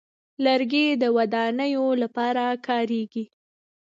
لرګی د ودانیو لپاره کارېږي.